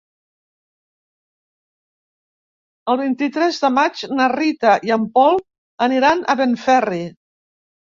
El vint-i-tres de maig na Rita i en Pol aniran a Benferri.